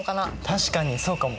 確かにそうかも！